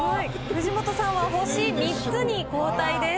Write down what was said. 藤本さんは星３つに後退です。